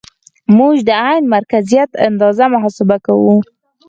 موږ د عین مرکزیت اندازه محاسبه کوو